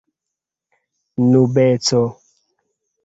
nubeco